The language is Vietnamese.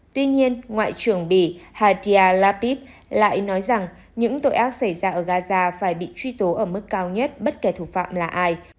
tuy nhiên ngoại trưởng bỉ hadia lapid lại nói rằng những tội ác xảy ra ở gaza phải bị truy tố ở mức cao nhất bất kể thủ phạm là ai